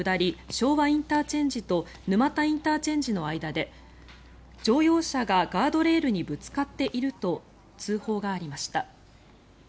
昭和ＩＣと沼田ＩＣの間で、乗用車がガードレールにぶつかっていると通報がありました。